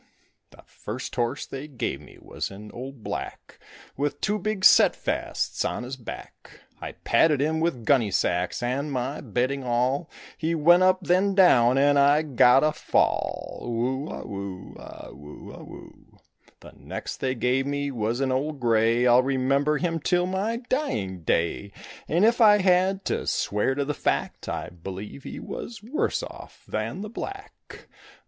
The first horse they gave me was an old black With two big set fasts on his back; I padded him with gunny sacks and my bedding all; He went up, then down, and I got a fall. Whoo a whoo a whoo a whoo. The next they gave me was an old gray, I'll remember him till my dying day. And if I had to swear to the fact, I believe he was worse off than the black.